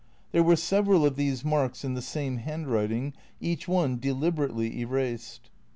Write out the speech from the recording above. There were several of these marks in the same handwriting, each one deliberately erased.